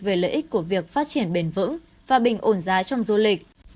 về lợi ích của việc phát triển bền vững và bình ổn giá trong du lịch